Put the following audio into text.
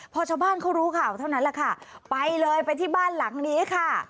พอชาวบ้านเขารู้ข่าวเท่านั้นแหละค่ะไปเลยไปที่บ้านหลังนี้ค่ะ